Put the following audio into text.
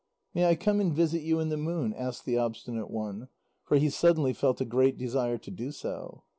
"May I come and visit you in the Moon?" asked the Obstinate One. For he suddenly felt a great desire to do so.